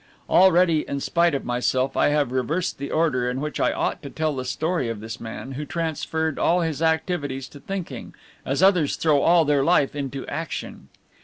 Already, in spite of myself, I have reversed the order in which I ought to tell the history of this man, who transferred all his activities to thinking, as others throw all their life into action.